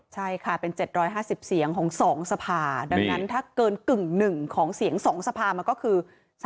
ใช่ค่ะเป็น๗๕๐เสียงของ๒สภาดังนั้นถ้าเกินกึ่งหนึ่งของเสียง๒สภามันก็คือ